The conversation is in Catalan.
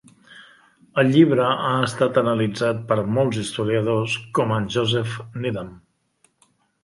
El llibre ha estat analitzat per mols historiadors, com en Joseph Needham.